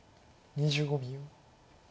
２５秒。